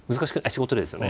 仕事でですよね？